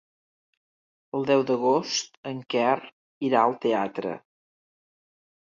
El deu d'agost en Quer irà al teatre.